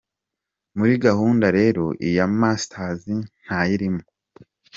Muri gahunda rero iya masters ntayirimo.